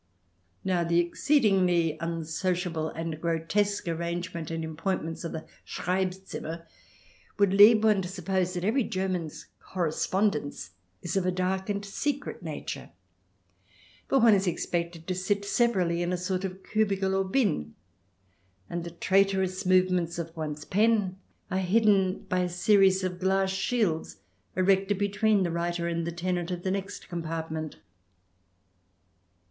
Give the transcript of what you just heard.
Now, the exceedingly unso ciable and grotesque arrangement and appointments of the Schreibzimmer would lead one to suppose that every German's correspondence is of a dark and secret nature, for one is expected to sit severally in a sort of cubicle or bin, and the traitorous move ments of one's pen are hidden by a series of glass shields erected between the writer and the tenant of the next compartment.